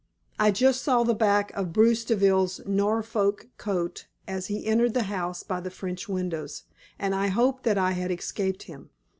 I just saw the back of Bruce Deville's Norfolk coat as he entered the house by the French windows, and I hoped that I had escaped him.